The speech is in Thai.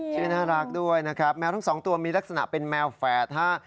ชื่อน่ารักด้วยนะครับแมวทั้งสองตัวมีลักษณะเป็นแมวแฝดฮะ